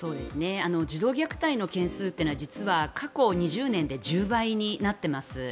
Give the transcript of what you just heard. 児童虐待の件数というのは実は過去２０年で１０倍になっています。